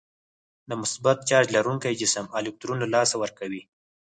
د مثبت چارج لرونکی جسم الکترون له لاسه ورکوي.